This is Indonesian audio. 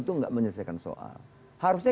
itu nggak menyelesaikan soal harusnya